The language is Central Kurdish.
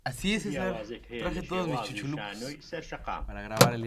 چ جیاوازییەک هەیە لەم شێوازەی شانۆی سەر شەقام؟